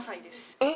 えっ？